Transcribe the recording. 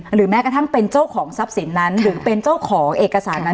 หรือแม้กระทั่งเป็นเจ้าของทรัพย์สินนั้นหรือเป็นเจ้าของเอกสารนั้น